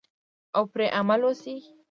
او پرې عمل وشي.